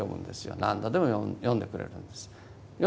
何度でも読んでくれるんです。